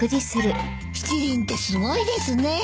七輪ってすごいですね。